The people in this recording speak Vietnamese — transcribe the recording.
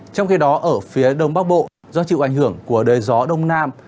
trong khi đó ở phía đông bắc bộ do chịu ảnh hưởng của đời gió đông nam